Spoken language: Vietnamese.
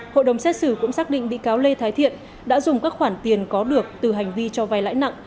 hội đồng xét xử cũng xác định bị cáo lê thái thiện đã dùng các khoản tiền có được từ hành vi cho vai lãi nặng